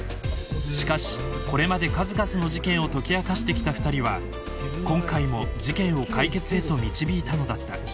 ［しかしこれまで数々の事件を解き明かしてきた２人は今回も事件を解決へと導いたのだった］